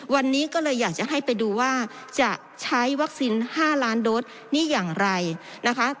วันนี้ก็เลยอยากจะให้ไปดูว่าจะใช้วัคซีน๕ล้านโดสนี่อย่างไรนะคะ